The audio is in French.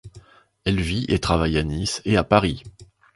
Elle vit et travaille à Nice et à Paris.